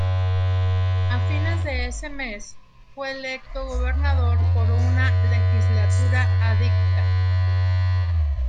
A fines de ese mes, fue electo gobernador por una legislatura adicta.